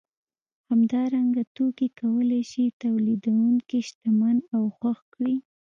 همدارنګه توکي کولای شي تولیدونکی شتمن او خوښ کړي